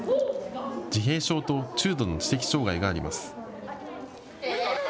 自閉症と中度の知的障害があります。